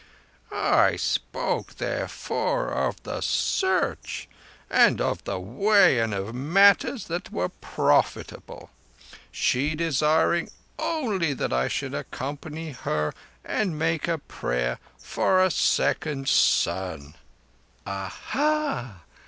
"I spoke therefore of the Search, and of the Way, and of matters that were profitable; she desiring only that I should accompany her and make prayer for a second son." "Aha!